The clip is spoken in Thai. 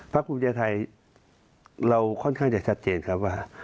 ภาคบุรธยาไทยเราค่อนข้างจะชัดเจนครับว่า